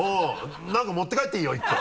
何か持って帰っていいよ１個。